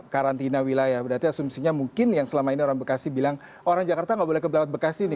karantina wilayah berarti asumsinya mungkin yang selama ini orang bekasi bilang orang jakarta tidak boleh kebelakang bekasi ini